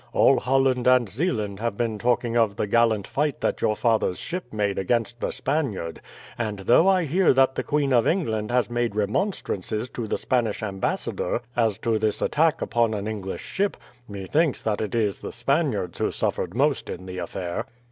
All Holland and Zeeland have been talking of the gallant fight that your father's ship made against the Spaniard; and though I hear that the Queen of England has made remonstrances to the Spanish Ambassador as to this attack upon an English ship, methinks that it is the Spaniards who suffered most in the affair."